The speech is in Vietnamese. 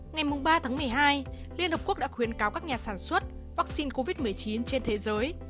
ngày ba tháng một mươi hai liên hợp quốc đã khuyến cáo các nhà sản xuất vaccine covid một mươi chín trên thế giới